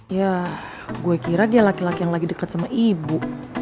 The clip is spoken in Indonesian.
ya gue kira dia laki laki yang lagi dekat sama ibu